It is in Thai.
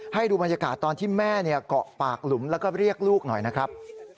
ให้ดูบรรยากาศตอนที่แม่เกาะปากหลุมแล้วก็เรียกลูกหน่อยนะครับ